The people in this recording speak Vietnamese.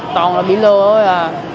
toàn là bị lừa thôi à